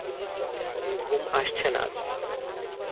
ঘুম আসছে না আজকাল।